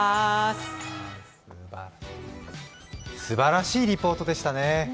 すばらしいリポートでしたね。